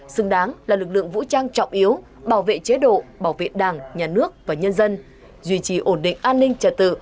xứng đáng là lực lượng vũ trang trọng yếu bảo vệ chế độ bảo vệ đảng nhà nước và nhân dân duy trì ổn định an ninh trật tự